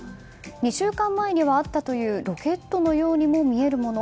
２週間前にはあったと思われるロケットのようにも見えるもの。